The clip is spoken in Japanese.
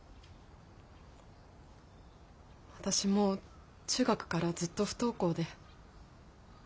私も中学からずっと不登校で。